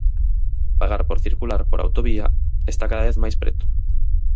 Pagar por circular por autovía está cada vez máis preto.